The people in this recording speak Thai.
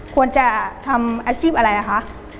ควรจะทำอาชีพอะไรคะ